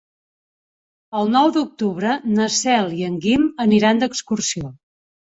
El nou d'octubre na Cel i en Guim aniran d'excursió.